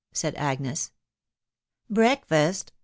" said Agnes. ce Breakfast